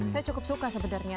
saya cukup suka sebenarnya